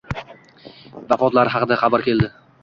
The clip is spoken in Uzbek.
Vafotlari xaqida xabar keldi.